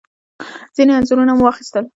ځینې انځورونه مو واخیستل.